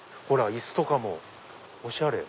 椅子とかもおしゃれ。